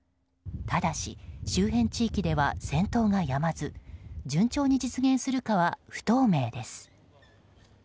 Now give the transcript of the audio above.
ただし、周辺地域では戦闘がやまず順調に実現するかは不透明です。